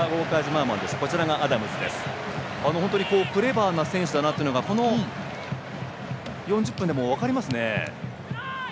本当にクレバーな選手だなとこの４０分でも分かりますね。